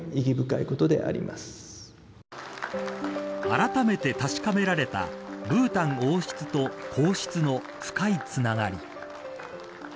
あらためて確かめられたブータン王室と皇室の深いつながり。